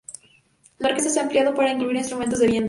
La orquesta se ha ampliado para incluir instrumentos de viento.